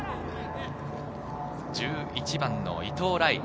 １１番の伊東來。